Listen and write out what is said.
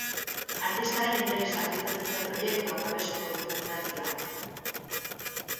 Artistaren interesa pizten zuten proiektuak babestuko ditu fundazioak.